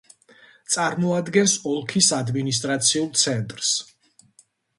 წარმოადგენს ოლქის ადმინისტრაციულ ცენტრს.